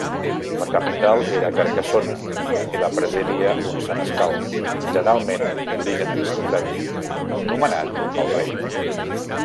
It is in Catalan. La capital era Carcassona i la presidia un senescal, generalment d'origen aristocràtic, nomenat pel rei.